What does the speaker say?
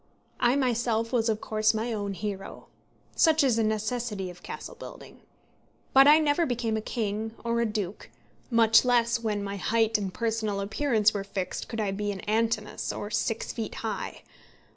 I myself was of course my own hero. Such is a necessity of castle building. But I never became a king, or a duke, much less when my height and personal appearance were fixed could I be an Antinous, or six feet high.